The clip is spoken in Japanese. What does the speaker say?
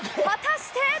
果たして。